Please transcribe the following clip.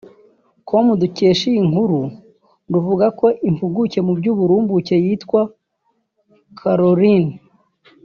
com dukesha iyi nkuru ruvuga ko impuguke mu by’uburumbuke yitwa Carolyn